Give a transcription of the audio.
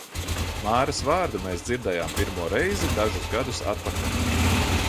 Māras vārdu mēs dzirdējām pirmo reizi dažus gadus atpakaļ.